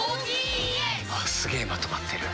すげえまとまってる。